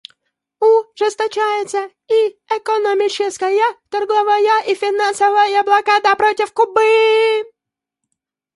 Ужесточается и экономическая, торговая и финансовая блокада против Кубы.